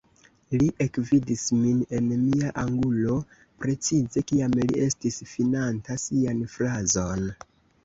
Li ekvidis min en mia angulo, precize kiam li estis finanta sian frazon.